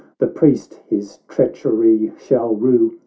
The priest his treachery shall rue